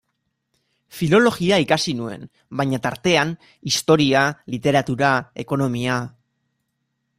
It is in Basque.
Filologia ikasi nuen, baina, tartean, historia, literatura, ekonomia...